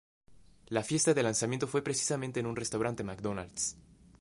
La fiesta de lanzamiento fue precisamente en un restaurante McDonald's.